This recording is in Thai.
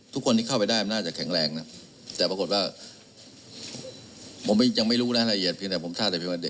ถ้ามันนอกเหนือจากการตายธรรมชาติ